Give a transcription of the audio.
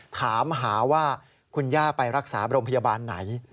ถามหาว่าคุณย่าไปรักษาโรงพยาบาลไหน